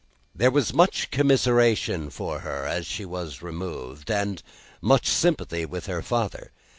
There was much commiseration for her as she was removed, and much sympathy with her father.